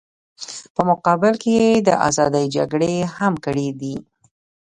په مقابل کې یې د ازادۍ جګړې هم کړې دي.